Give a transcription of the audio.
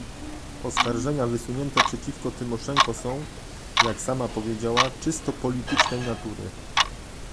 Oskarżenia wysunięte przeciw Tymoszenko są, jak sama powiedziała, czysto politycznej natury